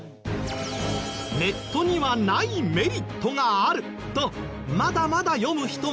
ネットにはないメリットがあるとまだまだ読む人も多いんです。